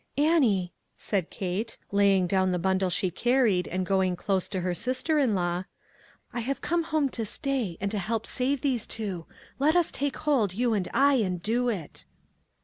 "Annie," said Kate, laying down the bundle she carried and going close to her sister in law, "I have come home to stay, and to help save these two ; let us take hold, you and I, and do it."